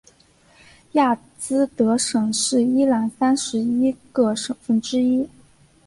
亚兹德省是伊朗三十一个省份之一。